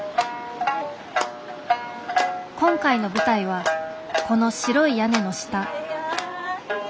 今回の舞台はこの白い屋根の下。